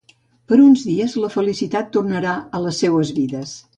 Per uns dies, la felicitat tornarà a les seues vides.